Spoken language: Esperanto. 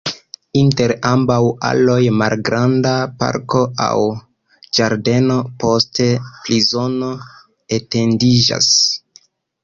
Inter ambaŭ aloj malgranda parko aŭ ĝardeno, poste prizono etendiĝas.